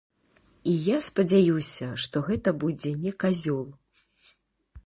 І я спадзяюся, што гэта будзе не казёл.